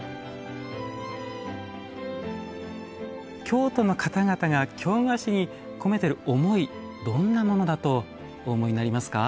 京都の方々が京菓子に込めてる思いどんなものだとお思いになりますか？